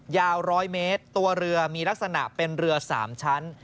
ยาว๑๐๐เมตรตัวเรือมีลักษณะเป็นเรือ๓ชั้น